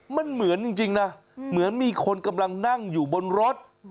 มันเหมือนจริงนะเหมือนมีคนกำลังนั่งอยู่บนรถ